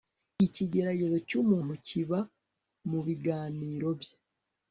ikigeragezo cy'umuntu kiba mu biganiro bye